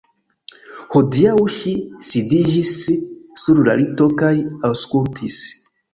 Hodiaŭ ŝi sidiĝis sur la lito kaj aŭskultis.